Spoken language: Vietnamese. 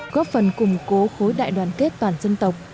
góp phần củng cố khối đại đoàn kết toàn dân tộc